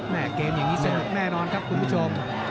เกมอย่างนี้สนุกแน่นอนครับคุณผู้ชม